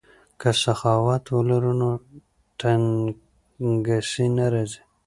که سخاوت ولرو نو تنګسي نه راځي.